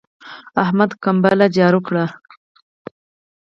احمد کمبله جار کړه.